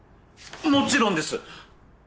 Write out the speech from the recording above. もちろんです！